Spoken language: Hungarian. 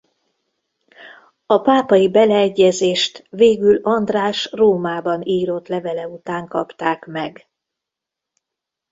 A pápai beleegyezést végül András Rómába írott levele után kapták meg.